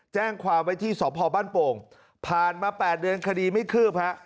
แจ้งความไว้ที่สพบ้านโป่งผ่านมา๘เดือนคดีไม่คืบฮะ